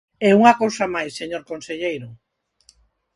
E unha cousa máis, señor conselleiro.